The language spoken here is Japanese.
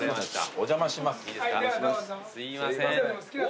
お邪魔します。